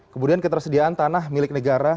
kemudian ketersediaan tanah milik negara